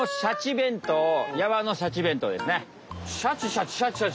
弁当山のシャチ弁当ですね。